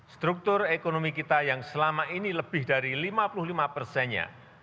struktur ekonomi kita yang selama ini lebih dari lima puluh lima persennya